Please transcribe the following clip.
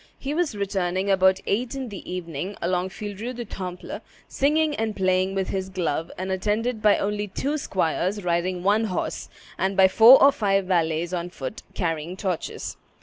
He was returning about eight in the evening along Vieille Rue du Temple, singing and playing with his glove, and attended by only two squires riding one horse, and by four or five varlets on foot, carrying torches.